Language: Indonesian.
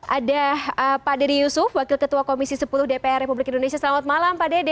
ada pak dede yusuf wakil ketua komisi sepuluh dpr republik indonesia selamat malam pak dede